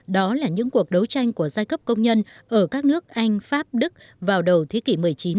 đó là những cuộc đấu tranh của giai cấp công nhân ở các nước anh pháp đức vào đầu thế kỷ một mươi chín